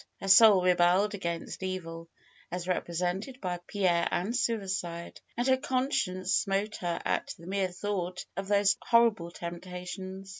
Her soul rebelled against evil, as represented by Pierre and suicide, and her conscience smote her at the mere thought of these horrible temptations.